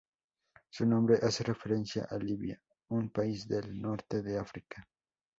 Su nombre hace referencia a Libia, un país del norte de África.